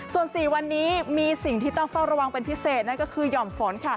ส่วน๔วันนี้มีสิ่งที่ต้องเฝ้าระวังเป็นพิเศษนั่นก็คือหย่อมฝน